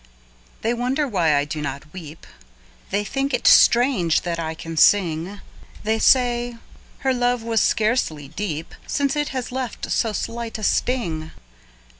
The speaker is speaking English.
They wonder why I do not weep, They think it strange that I can sing, They say, "Her love was scarcely deep Since it has left so slight a sting."